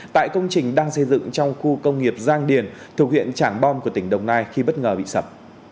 tại công trình đang xây dựng trong khu công nghiệp giang điền thuộc huyện trảng bom của tỉnh đồng nai khi bất ngờ bị sập